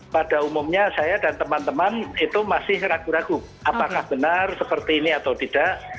pada umumnya saya dan teman teman itu masih ragu ragu apakah benar seperti ini atau tidak